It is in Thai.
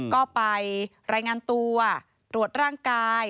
ก็ไปรายงานตัวตรวจร่างกาย